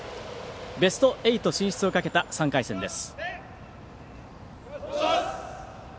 ベスト８進出をかけた３回戦です。